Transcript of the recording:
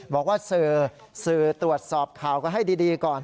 บอกว่าสื่อสื่อตรวจสอบข่าวกันให้ดีก่อน